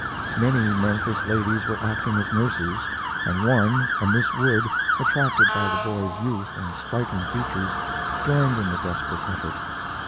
Many Memphis ladies were acting as nurses, and one, a Miss Wood, attracted by the boy's youth and striking features, joined in the desperate effort.